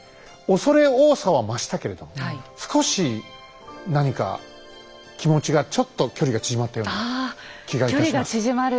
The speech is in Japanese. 恐れ多さは増したけれども少し何か気持ちがちょっと距離が縮まったような気がいたします。